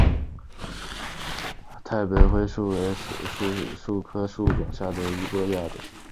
太白深灰槭为槭树科槭属下的一个亚种。